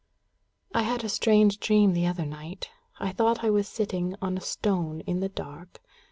"I had a strange dream the other night. I thought I was sitting on a stone in the dark.